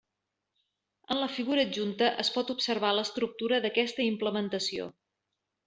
En la figura adjunta es pot observar l'estructura d'aquesta implementació.